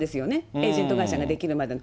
エージェント会社が出来るまでの。